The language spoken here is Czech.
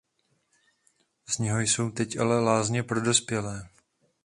Z něho jsou teď ale lázně pro dospělé.